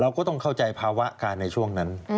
ก็ต้องเข้าใจภาวะการในช่วงนั้น